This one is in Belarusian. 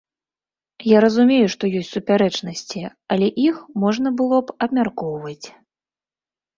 Я разумею, што ёсць супярэчнасці, але іх можна было б абмяркоўваць.